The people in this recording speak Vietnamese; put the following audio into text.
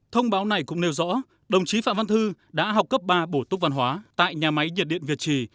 thông báo này cũng nêu rõ đồng chí phạm văn thư đã học cấp ba bổ túc văn hóa tại nhà máy nhiệt điện việt trì